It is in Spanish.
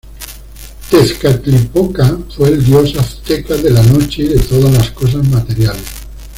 Tezcatlipoca fue el dios azteca de la noche y todas las cosas materiales.